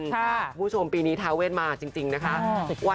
คุณผู้ชมปีนี้ทาเวทมาจริงนะคะ